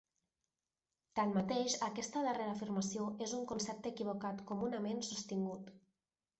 Tanmateix, aquesta darrera afirmació és un concepte equivocat comunament sostingut.